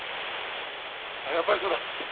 あっやっぱりそうだ。